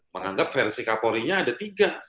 menganggap versi kapolri nya ada tiga